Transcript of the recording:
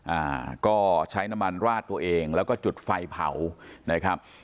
อ่าก็ใช้น้ำมันราดตัวเองแล้วก็จุดไฟเผานะครับ